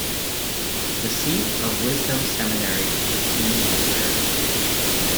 The Seat of Wisdom Seminary is in Owerri.